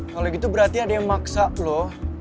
kalau gitu berarti ada yang maksa loh